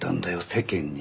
世間に。